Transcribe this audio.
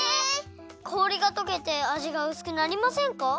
氷がとけてあじがうすくなりませんか？